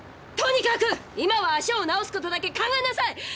とにかく今は足を治すことだけ考えなさい！